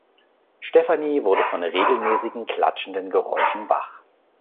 Stefanie wurde von regelmäßigen, klatschenden Geräuschen wach.